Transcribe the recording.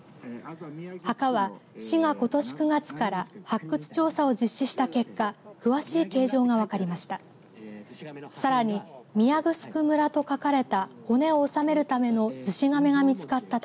墓は、市がことし９月から発掘調査を実施した結果詳しい形状が分かりました。